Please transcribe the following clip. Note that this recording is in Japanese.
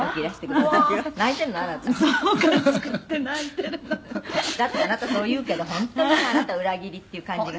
「だってあなたそう言うけど本当にさあなた裏切りっていう感じが」